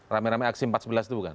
rame rame aksi empat sebelas itu bukan